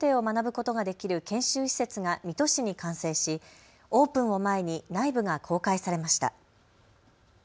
その製造工程を学ぶことができる研修施設が水戸市に完成しオープンを前に内部が公開されました。